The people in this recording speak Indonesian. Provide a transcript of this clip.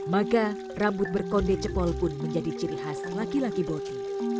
maka rambut berkonde jepol pun menjadi ciri khas laki laki boti